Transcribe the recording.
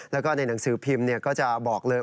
แล้วก็ในหนังสือพิมพ์ก็จะบอกเลย